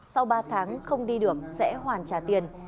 sau ba tháng không đi được sẽ hoàn trả tiền